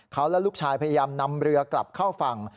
เขาและลูกชายพยายามนำเรือกลับเข้าฝั่ง